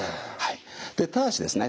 ただしですね